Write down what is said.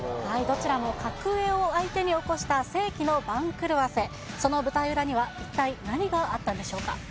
はいどちらも格上を相手に起こした世紀の番狂わせその舞台裏には一体何があったんでしょうか？